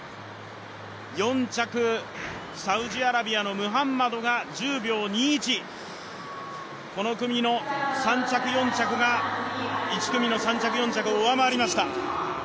４着、サウジアラビアのムハンマドが１０秒２１、この組の３着、４着が１組の３着、４着を上回りました。